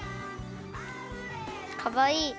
かわいい。